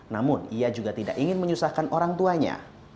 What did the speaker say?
namun ia juga tidak ingin menyusahkan orang tuanya